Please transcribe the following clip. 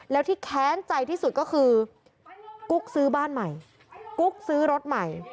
แล้วที่แค้นใจที่สุดก็คือกุ๊กซื้อบ้านใหม่กุ๊กซื้อรถใหม่